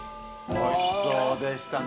おいしそうでしたね。